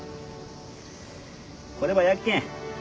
こればやっけん。